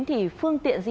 thì phương tiện di chuyển